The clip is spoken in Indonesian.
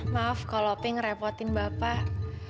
maaf kalau p ngerepotin bapak